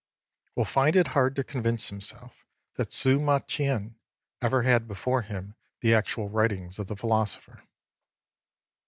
will find it hard to convince himself that Ssil ma Ch'ien ever had before him the actual writings of the philosopher.